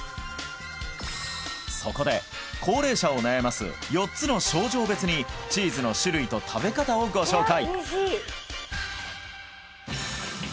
そこで高齢者を悩ます４つの症状別にチーズの種類と食べ方をご紹介！